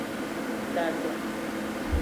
Da do.